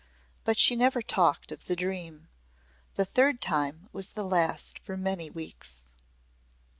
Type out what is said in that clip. But she never talked of the dream. The third time was the last for many weeks.